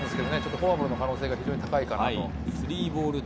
フォアボールの可能性が非常に高いかなと。